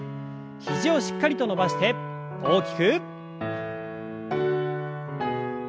肘をしっかりと伸ばして大きく。